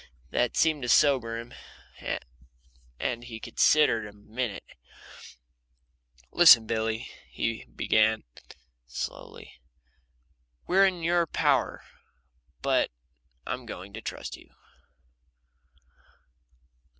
That seemed to sober him, and he considered a minute. "Listen, Billy," he began, slowly; "we're in your power, but I'm going to trust you."